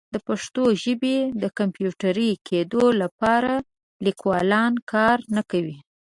د پښتو ژبې د کمپیوټري کیدو لپاره لیکوالان کار نه کوي.